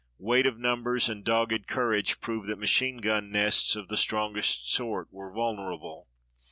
Weight of numbers and dogged courage proved that machine gun nests of the strongest sort were vulnerable.